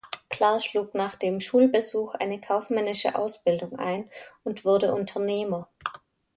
Clar schlug nach dem Schulbesuch eine kaufmännische Ausbildung ein und wurde Unternehmer.